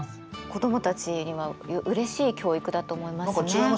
子どもたちにはうれしい教育だと思いますね。